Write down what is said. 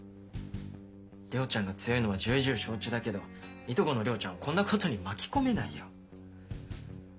涼ちゃんが強いのは重々承知だけどいとこの涼ちゃんをこんなことに巻き込めないよ。